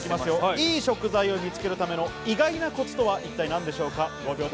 良い食材を見つけるための意外なコツとは一体何でしょうか？